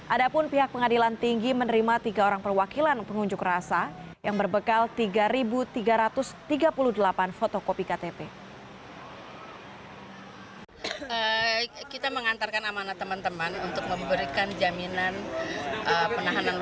ada pun pihak pengadilan tinggi menerima tiga orang perwakilan pengunjuk rasa yang berbekal tiga tiga ratus tiga puluh delapan fotokopi ktp